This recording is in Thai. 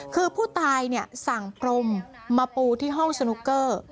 คือผู้ตายสั่งพรมมาปูที่ห้องสนุกเกอร์